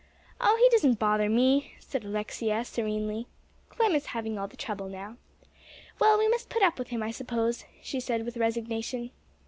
"Oh, he doesn't bother me," said Alexia serenely. "Clem is having all the trouble now. Well, we must put up with him, I suppose," she said with resignation.